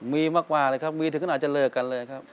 มีมากเลยครับมีถึงขนาดจะเลิกกันเลยครับ